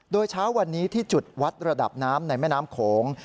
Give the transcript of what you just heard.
โดยเช้าวันนี้ที่จุดวัดระดับน้ำในแม่น้ำโขง